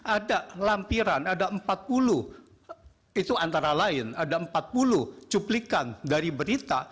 ada lampiran ada empat puluh itu antara lain ada empat puluh cuplikan dari berita